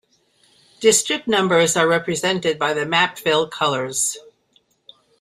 District numbers are represented by the map fill colors.